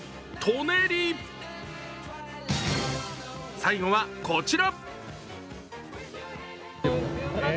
最後はこちら。